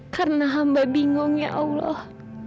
karena hamba bingung ya allah